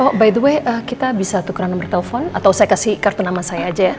oh by the way kita bisa tukar nomor telepon atau saya kasih kartu nama saya aja